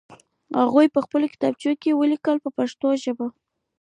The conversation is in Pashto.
هغه په خپلو کتابچو کې ولیکئ په پښتو ژبه.